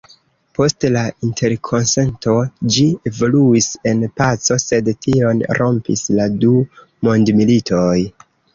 Post la Interkonsento ĝi evoluis en paco, sed tion rompis la du mondmilitoj.